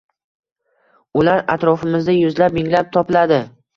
Ular atrofimizda yuzlab-minglab topiladi